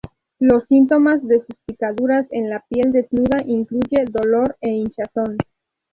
Los síntomas de sus picaduras en la piel desnuda incluye dolor e hinchazón.